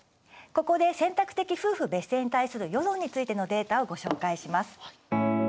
ここで選択的夫婦別姓に対する世論についてのデータをご紹介します。